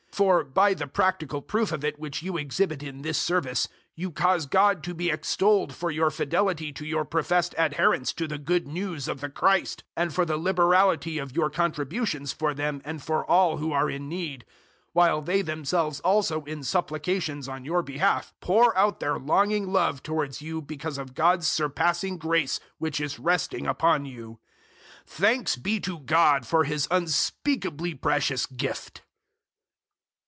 009:013 For, by the practical proof of it which you exhibit in this service, you cause God to be extolled for your fidelity to your professed adherence to the Good News of the Christ, and for the liberality of your contributions for them and for all who are in need, 009:014 while they themselves also in supplications on your behalf pour out their longing love towards you because of God's surpassing grace which is resting upon you. 009:015 Thanks be to God for His unspeakably precious gift!